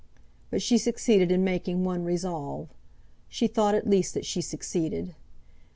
But she succeeded in making one resolve. She thought at least that she succeeded.